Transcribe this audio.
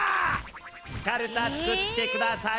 かるたつくってください！